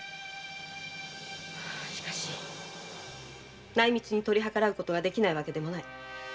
しかし内密に取り計らうことができぬわけでもない。